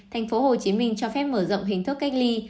tp hcm cho phép mở rộng hình thức cách ly